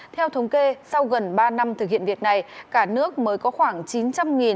theo thống kê sau gần ba năm thực hiện việc này cả nước mới có khoảng chín trăm linh